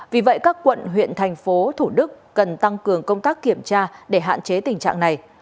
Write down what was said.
vì vậy các quận huyện thành phố thủ đức cần tăng cường công tác kiểm tra để hạn chế tình trạng này